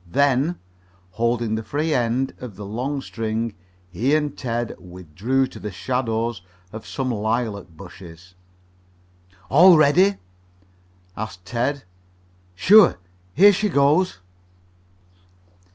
Then, holding the free end of the long string, he and Ted withdrew to the shadow of some lilac bushes. "All ready?" asked Ted. "Sure. Here she goes!"